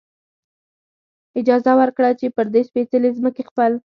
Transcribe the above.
اجازه ورکړه، چې پر دې سپېڅلې ځمکې خپل.